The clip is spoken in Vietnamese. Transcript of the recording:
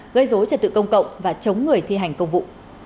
gây dối trật tự công cộng và chống người thi hành công vụ